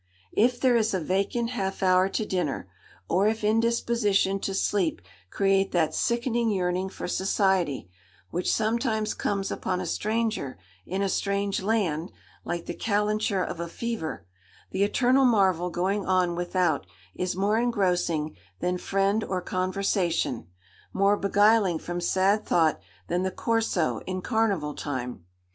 If there is a vacant half hour to dinner, or if indisposition to sleep create that sickening yearning for society, which sometimes comes upon a stranger in a strange land, like the calenture of a fever,—the eternal marvel going on without is more engrossing than friend or conversation, more beguiling from sad thought than the Corso in carnival time.